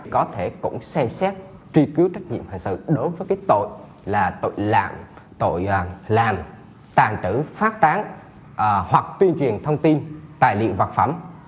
có thể cũng xem xét truy cứu trách nhiệm hình sự đối với cái tội là tội làm tàn trữ phát tán hoặc tuyên truyền thông tin tài liệu vật phẩm